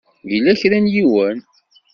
Yella kra n yiwen?